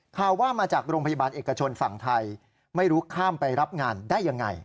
ข่าวว่ามาจากโรงพยาบาลเอกชนฝั่งไทยไม่รู้ข้ามไปรับงานได้ยังไง